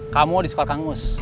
kamu disekor kangus